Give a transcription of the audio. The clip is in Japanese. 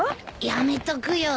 やめとくよ。